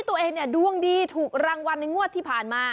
ที่ดีจังหวัดอ่างทอง